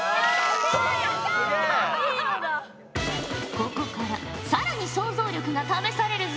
ここから更に想像力が試されるぞ。